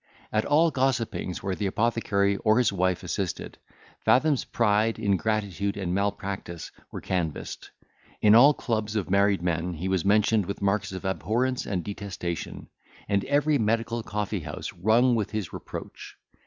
At all gossipings, where the apothecary or his wife assisted, Fathom's pride, ingratitude, and malpractice were canvassed; in all clubs of married men he was mentioned with marks of abhorrence and detestation, and every medical coffee house rung with his reproach.